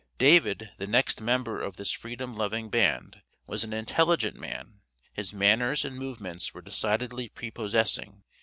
David, the next member of this freedom loving band, was an intelligent man; his manners and movements were decidedly prepossessing.